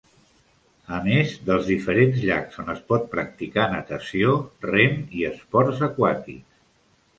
A més dels diferents llacs on es pot practicar natació, rem i esports aquàtics.